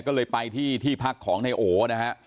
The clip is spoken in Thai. ก็เลยไปที่ที่พักของนายโอนะฮะ